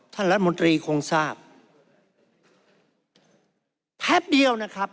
ท่านรัฐมนตรีคงทราบแพบเดียวนะครับ